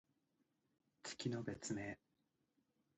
月の別名。